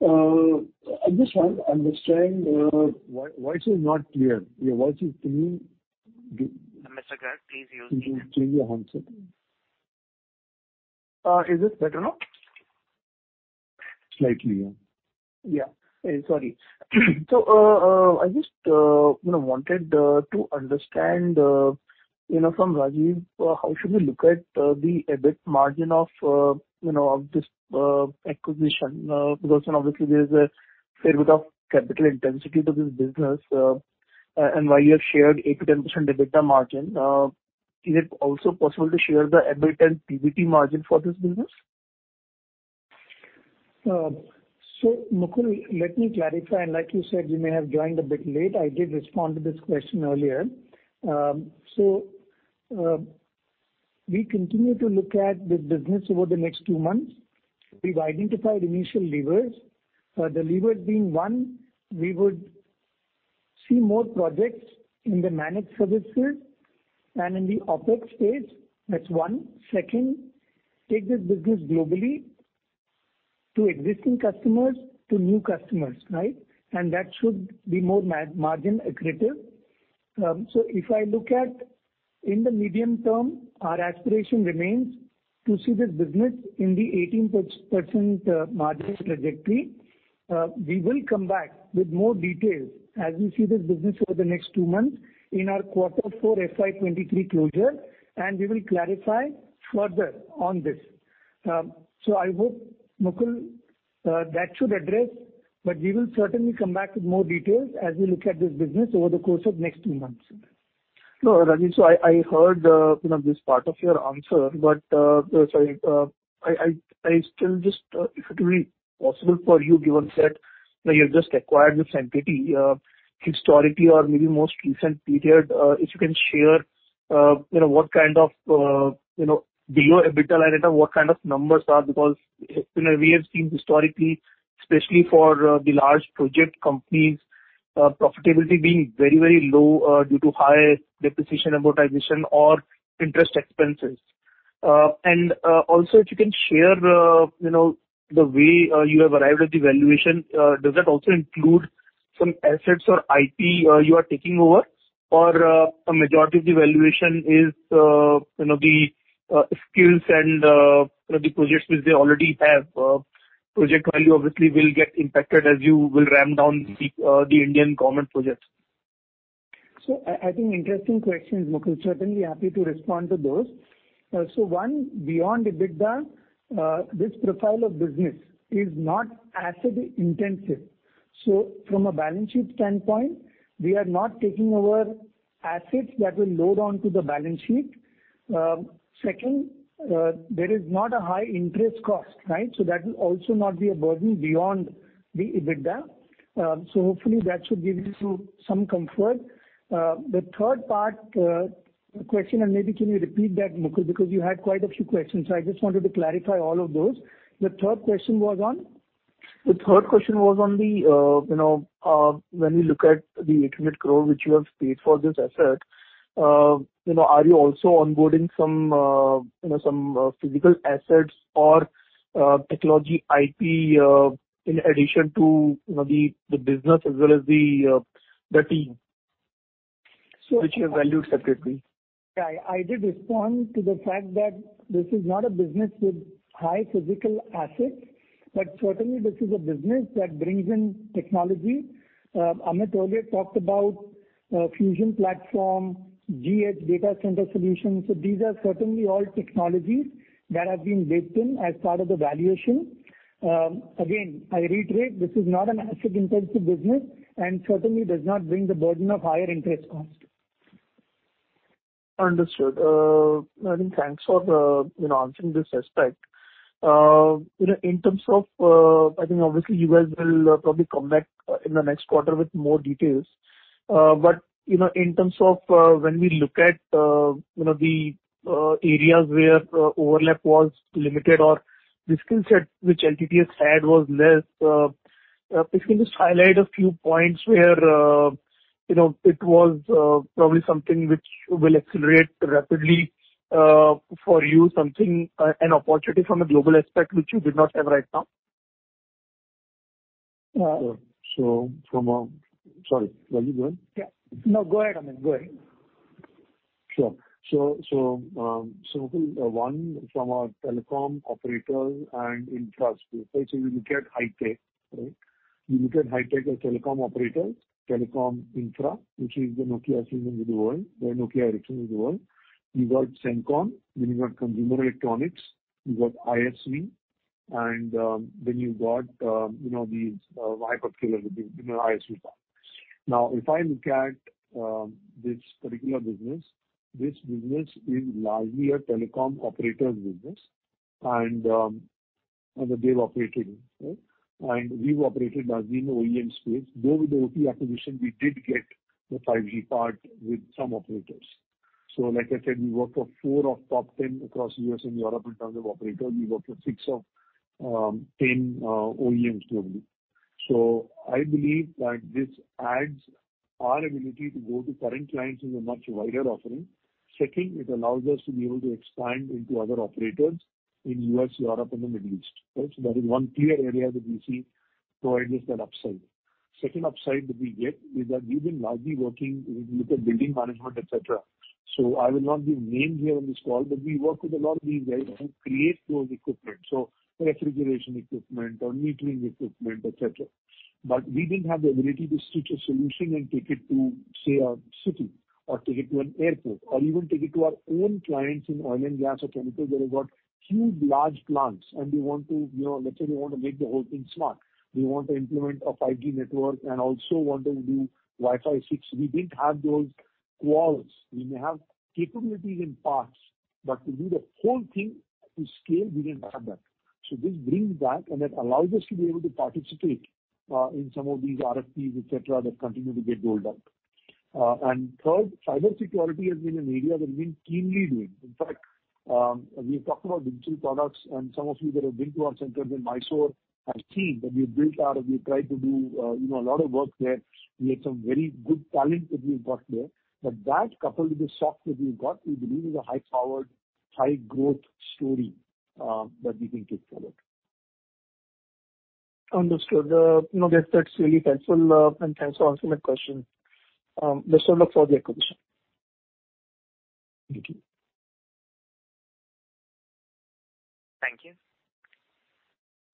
I just want to understand, Voice is not clear. Your voice is too- Mr. Garg, please use... Could you change your handset? Is it better now? Slightly, yeah. Yeah. Sorry. I just, you know, wanted to understand, you know, from Rajeev, how should we look at the EBIT margin of, you know, of this acquisition? Because obviously there's a fair bit of capital intensity to this business, and while you have shared 8%-10% EBITDA margin, is it also possible to share the EBIT and PBT margin for this business? Mukul, let me clarify, and like you said, you may have joined a bit late. I did respond to this question earlier. We continue to look at this business over the next two months. We've identified initial levers. The levers being, one, we would see more projects in the managed services and in the OpEx space. That's one. Second, take this business globally to existing customers, to new customers, right? That should be more margin accretive. If I look at in the medium term, our aspiration remains to see this business in the 18% margin trajectory. We will come back with more details as we see this business over the next two months in our quarter four FY23 closure, we will clarify further on this. I hope, Mukul, that should address, but we will certainly come back with more details as we look at this business over the course of next two months. Rajeev. I heard, you know, this part of your answer, but sorry, I still just, if it will be possible for you, given that, you know, you've just acquired this entity, historically or maybe most recent period, if you can share, you know, what kind of, you know, below EBITDA level, what kind of numbers are? You know, we have seen historically, especially for the large project companies, profitability being very, very low, due to high depreciation, amortization or interest expenses. Also if you can share, you know, the way you have arrived at the valuation, does that also include some assets or IP, you are taking over? A majority of the valuation is, you know, the skills and the projects which they already have. Project value obviously will get impacted as you will ramp down the Indian government projects. I think interesting questions, Mukul. Certainly happy to respond to those. One, beyond EBITDA, this profile of business is not asset intensive. From a balance sheet standpoint, we are not taking over assets that will load onto the balance sheet. Second, there is not a high interest cost, right? That will also not be a burden beyond the EBITDA. Hopefully that should give you some comfort. The third part, question and maybe can you repeat that, Mukul, because you had quite a few questions. I just wanted to clarify all of those. The third question was on? The third question was on the, you know, when you look at the 800 crore which you have paid for this asset, you know, are you also onboarding some, you know, some, physical assets or, technology IP, in addition to, you know, the business as well as the team. So which you have valued separately. I did respond to the fact that this is not a business with high physical assets. Certainly this is a business that brings in technology. Amit earlier talked about Fusion platform, G-Edge data center solutions. These are certainly all technologies that have been baked in as part of the valuation. Again, I reiterate, this is not an asset intensive business and certainly does not bring the burden of higher interest cost. Understood. I think thanks for, you know, answering this aspect. You know, in terms of, I think obviously you guys will probably come back in the next quarter with more details. You know, in terms of, when we look at, you know, the areas where overlap was limited or the skill set which LTTS had was less, if you can just highlight a few points where, you know, it was probably something which will accelerate rapidly for you, something, an opportunity from a global aspect which you did not have right now? Uh. Sorry, Rajeev, go ahead. Yeah. No, go ahead, Amit. Go ahead. Sure. One from our telecom operators and infra space. You look at Hi-tech, right? You look at Hi-tech as telecom operators, telecom infra, which is the Nokia Solutions with the world, the Nokia Ericsson with the world. You've got Sem-con, then you've got consumer electronics, you've got ISV, and then you've got, you know, these hyper-scale with the, you know, ISV side. If I look at this particular business, this business is largely a telecom operators business, and they've operated, right? And we've operated as in OEM space. Though with the OT acquisition, we did get the 5G part with some operators. Like I said, we work for four of top 10 across U.S. and Europe in terms of operator. We work for six of 10 OEMs globally. I believe that this adds our ability to go to current clients with a much wider offering. It allows us to be able to expand into other operators in US, Europe and the Middle East, right? That is one clear area that we see provides us that upside. Second upside that we get is that we've been largely working with the building management, et cetera. I will not give names here on this call, but we work with a lot of these guys who create those equipment, so refrigeration equipment or metering equipment, et cetera. We didn't have the ability to stitch a solution and take it to, say, a city or take it to an airport or even take it to our own clients in oil and gas or chemical that have got huge large plants, and they want to, you know, let's say they want to make the whole thing smart. They want to implement a 5G network and also want to do Wi-Fi six. We didn't have those quals. We may have capabilities in parts, but to do the whole thing at this scale, we didn't have that. This brings that, and it allows us to be able to participate in some of these RFPs, et cetera, that continue to get rolled out. Third, cybersecurity has been an area that we've been keenly doing. In fact, we've talked about digital products and some of you that have been to our centers in Mysore have seen that we built out and we tried to do, you know, a lot of work there. We had some very good talent that we've got there. That coupled with the software we've got, we believe is a high-powered, high-growth story that we can take forward. Understood. you know, that's really helpful, and thanks for answering my question. Best of luck for the acquisition. Thank you. Thank you.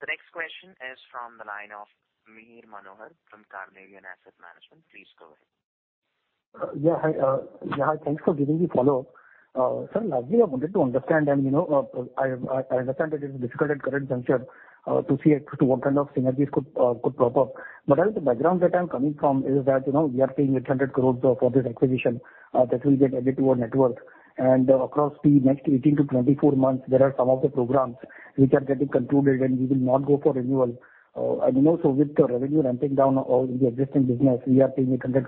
The next question is from the line of Mihir Manohar from Carnelian Asset Management. Please go ahead. Yeah. Hi. Yeah. Hi. Thanks for giving me follow. sir, largely I wanted to understand and, you know, I understand that it is difficult at current juncture, to see as to what kind of synergies could prop up. As the background that I'm coming from is that, you know, we are paying 800 crores for this acquisition, that will get added to our network. Across the next 18-24 months, there are some of the programs which are getting concluded, and we will not go for renewal. You know, so with the revenue ramping down of the existing business, we are paying 800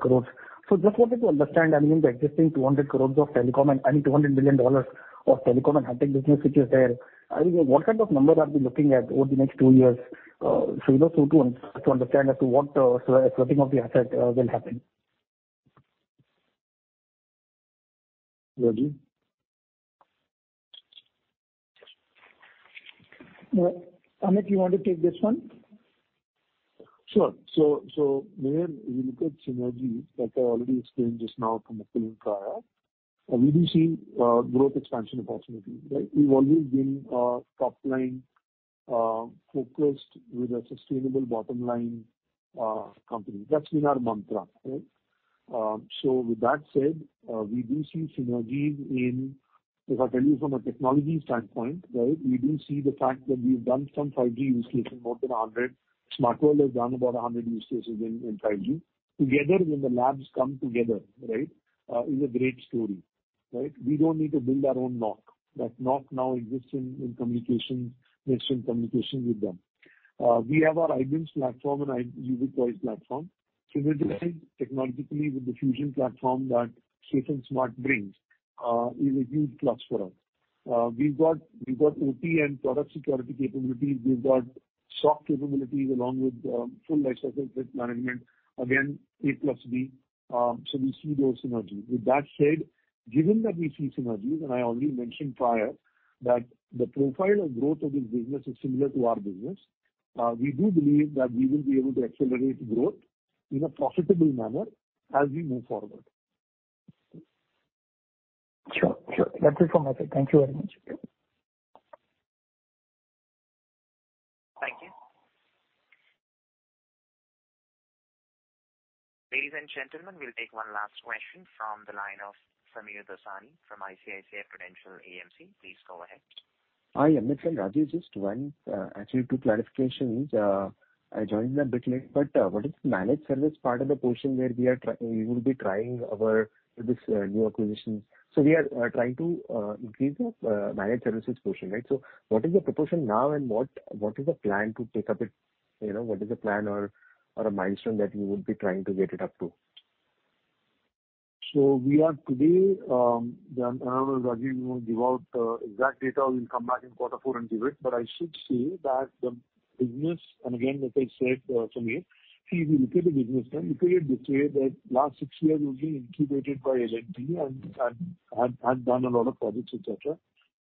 crores. Just wanted to understand, I mean, the existing 200 crores of telecom and, I mean, $200 million of telecom and Hi-tech business, which is there, I mean, what kind of number are we looking at over the next two years? So, you know, so to understand as to what sweating of the asset will happen. Rajiv? Amit, you want to take this one? Sure. Mihir, if you look at synergy, like I already explained just now to Mukul prior, we do see growth expansion opportunity, right? We've always been a top line focused with a sustainable bottom line company. That's been our mantra, right? With that said, we do see synergies in, if I tell you from a technology standpoint, right, we do see the fact that we've done some 5G use cases, more than 100. SmartWorld has done about 100 use cases in 5G. Together, when the labs come together, right, is a great story, right? We don't need to build our own NOC. That NOC now exists in communication, exists in communication with them. We have our IBM platform and our UbiqWeise platform. We're doing technologically with the Fusion platform that Safe and Smart brings is a huge plus for us. We've got OT and product security capabilities. We've got SOC capabilities along with full lifecycle threat management. Again, A plus B, we see those synergies. With that said, given that we see synergies, I already mentioned prior that the profile of growth of this business is similar to our business, we do believe that we will be able to accelerate growth in a profitable manner as we move forward. Sure, sure. That's it from my side. Thank you very much. Thank you. Ladies and gentlemen, we'll take one last question from the line of Sameer Dosani from ICICI Prudential AMC. Please go ahead. Hi, Amit and Rajiv. Just one, actually two clarifications. I joined a bit late, but, what is the managed service part of the portion where we will be trying our, this, new acquisitions? We are trying to increase the managed services portion, right? What is the proportion now and what is the plan to take up it? You know, what is the plan or a milestone that you would be trying to get it up to? We are today, I don't know if Rajiv will give out exact data. We'll come back in quarter four and give it. I should say that the business. Again, as I said, Sameer, if you look at the business and look at it this way, that last 6 years we've been incubated by L&T and done a lot of projects, et cetera.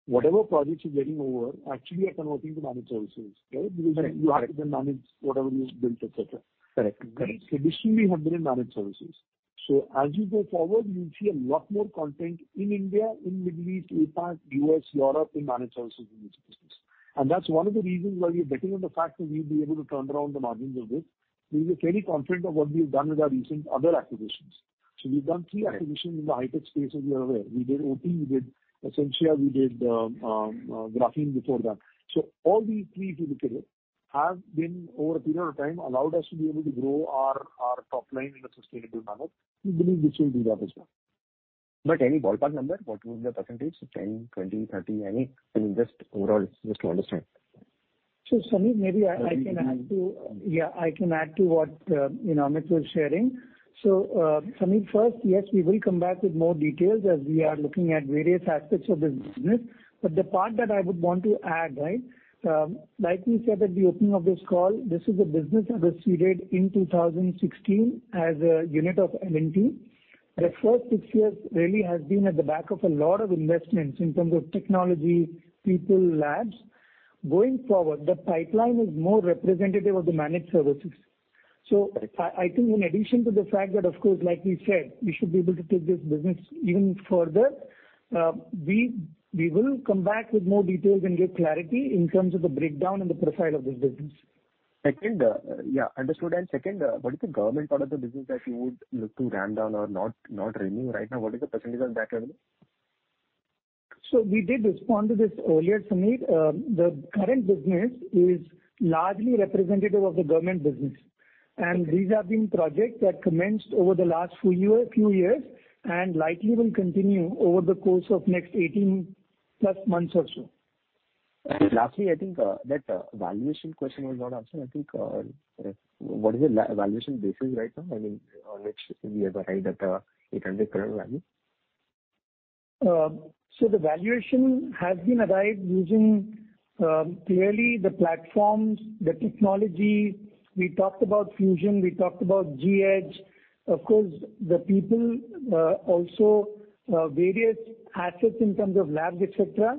Whatever projects we're getting over, actually are converting to managed services, right? Correct. Because you have to then manage whatever you've built, et cetera. Correct. Correct. Traditionally have been in managed services. As you go forward, you'll see a lot more content in India, in Middle East, APAC, US, Europe, in managed services in this business. That's one of the reasons why we are betting on the fact that we'll be able to turn around the margins of this. We are very confident of what we've done with our recent other acquisitions. We've done three acquisitions in the Hi-tech space, as you're aware. We did OT, we did Esencia, we did Graphene before that. All these three, if you look at it, have been over a period of time allowed us to be able to grow our top line in a sustainable manner. We believe this will do the same as well. Any ballpark number, what will be the percentage? 10%, 20%, 30%, any? I mean, just overall, just to understand. Sameer, maybe I can add to. Yeah, I can add to what, you know, Amit was sharing. Sameer, first, yes, we will come back with more details as we are looking at various aspects of this business. The part that I would want to add, right, like we said at the opening of this call, this is a business that seceded in 2016 as a unit of L&T. The first six years really has been at the back of a lot of investments in terms of technology, people, labs. Going forward, the pipeline is more representative of the managed services. I think in addition to the fact that, of course, like we said, we should be able to take this business even further, we will come back with more details and give clarity in terms of the breakdown and the profile of this business. Second. Yeah, understood. Second, what is the government part of the business that you would look to ramp down or not renew right now? What is the percentage of that revenue? We did respond to this earlier, Sameer. The current business is largely representative of the government business, and these have been projects that commenced over the last few years, and likely will continue over the course of next 18 plus months or so. lastly, I think that valuation question was not answered. I think what is the valuation basis right now, I mean, on which we have arrived at INR 800 current value? The valuation has been arrived using, clearly the platforms, the technology. We talked about Fusion. We talked about G-Edge. Of course, the people, also, various assets in terms of labs, et cetera.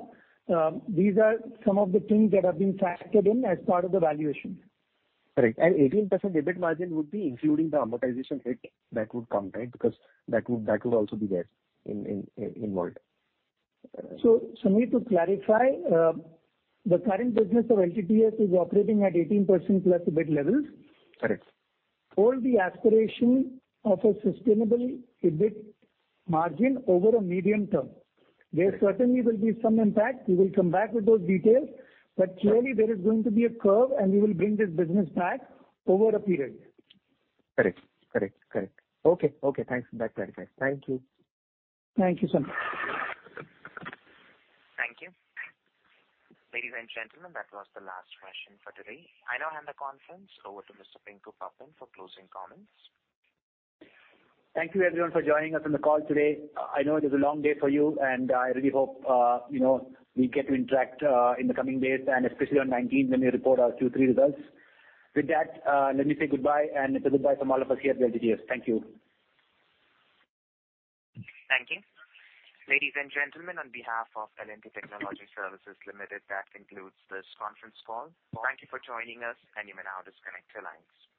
These are some of the things that have been factored in as part of the valuation. Correct. 18% EBIT margin would be including the amortization hit that would come, right? That would also be there in wallet. Sameer, to clarify, the current business of LTTS is operating at 18% plus EBIT levels. Correct. Hold the aspiration of a sustainable EBIT margin over a medium term. There certainly will be some impact. We will come back with those details. Clearly there is going to be a curve, and we will bring this business back over a period. Correct. Okay, thanks. That clarifies. Thank you. Thank you, Sameer. Thank you. Ladies and gentlemen, that was the last question for today. I now hand the conference over to Mr. Pinku Popat for closing comments. Thank you everyone for joining us on the call today. I know it was a long day for you, and I really hope, you know, we get to interact, in the coming days, and especially on 19th when we report our Q3 results. With that, let me say goodbye and it's a goodbye from all of us here at LTTS. Thank you. Thank you. Ladies and gentlemen, on behalf of L&T Technology Services Limited, that concludes this conference call. Thank you for joining us, and you may now disconnect your lines.